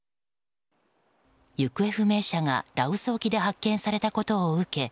行方不明者が羅臼沖で発見されたことを受け